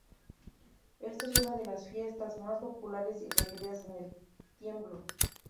Esta es una de las fiestas más populares y queridas en El Tiemblo.